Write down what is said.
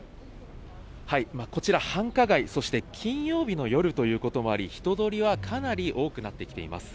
こちら、繁華街、そして金曜日の夜ということもあり、人通りはかなり多くなってきています。